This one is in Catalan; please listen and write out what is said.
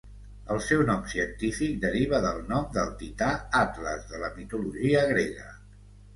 El seu nom científic deriva del nom del tità Atles de la mitologia grega.